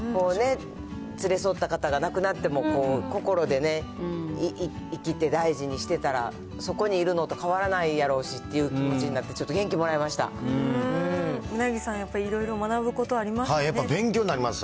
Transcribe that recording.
連れ添った方が亡くなってもこう、心でね、生きて大事にしてたら、そこにいるのと変わらないやろうしっていう気持ちになって、ちょ鰻さん、やっぱりいろいろ学やっぱ勉強になります。